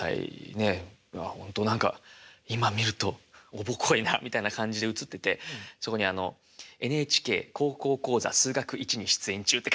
ほんと何か今見るとおぼこいなみたいな感じで写っててそこにあのＮＨＫ高校講座「数学Ⅰ」に出演中って書いてあって。